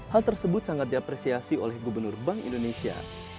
hal tersebut sangat diapresiasi oleh gubernur bank indonesia